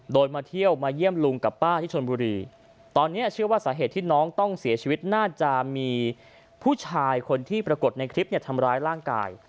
โดยมาเที่ยวมาเยี่ยมลุงกับป้าที่ชนบุรีตอนนี้เชื่อว่าสาเหตุที่น้องต้องเสียชีวิตน่าจะมีผู้ชายคนที่ปรากฏในคลิปเนี่ยทำร้ายร่างกาย